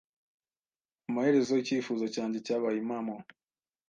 Amaherezo, icyifuzo cyanjye cyabaye impamo.